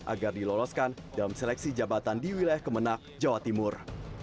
agar diloloskan dalam seleksi jabatan di wilayah kemenang jawa timur